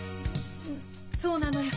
そうなのよ。